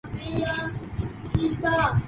可允许编辑与修改条目。